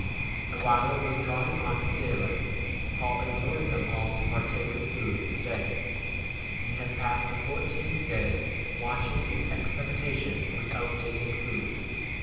And while it was drawing on to day light, Paul exhorted them all to partake of food, saying, Ye have passed the fourteenth day watch ing in expectation without taking 84 food.